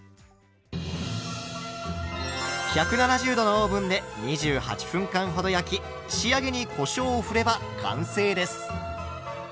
１７０℃のオーブンで２８分間ほど焼き仕上げにこしょうをふれば完成です。